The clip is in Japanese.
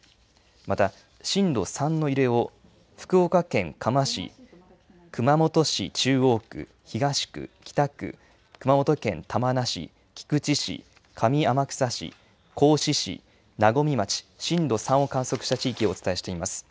また、震度３の揺れを福岡県嘉麻市、熊本市中央区、東区、北区、熊本県玉名市、菊池市、上天草市、合志市、和水町、震度３を観測した地域をお伝えしています。